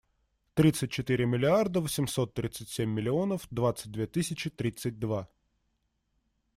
Тридцать четыре миллиарда восемьсот тридцать семь миллионов двадцать две тысячи тридцать два.